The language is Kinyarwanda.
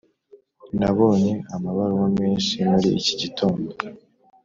nabonye amabaruwa menshi muri iki gitondo.